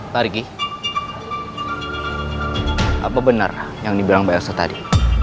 pak ricky apa benar yang dibilang mbak yosa tadi